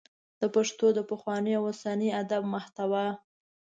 د پښتو د پخواني او اوسني ادب محتوا